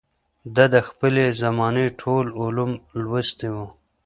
ده د خپلې زمانې ټول علوم لوستي وو